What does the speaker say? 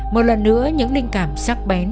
một lần nữa những linh cảm sắc bén